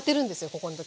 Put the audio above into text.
ここの時。